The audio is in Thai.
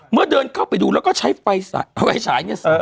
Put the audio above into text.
เมื่อเดินเข้าไปดูแล้วใช้ไฟฉาย